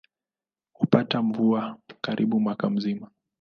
Hupata mvua karibu mwaka mzima.